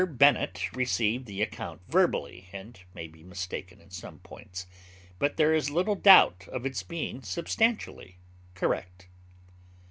Bennet received the account verbally, and may be mistaken in some points, but there is little doubt of its being substantially correct.